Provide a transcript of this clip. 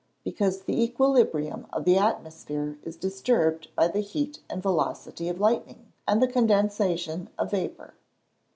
_ Because the equilibrium of the atmosphere is disturbed by the heat and velocity of lightning, and the condensation of vapour.